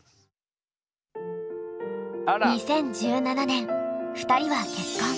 ２０１７年２人は結婚。